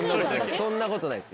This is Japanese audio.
そんなことないです。